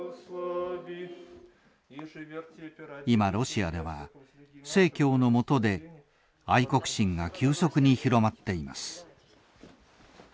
今ロシアでは正教のもとで愛国心が急速に広まっています。